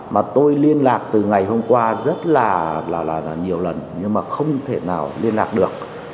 mà tôi liên lạc từ ngày hôm qua rất là nhiều lần nhưng mà không thể nào liên lạc được